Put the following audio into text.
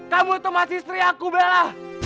kamu itu mahasiswi aku bella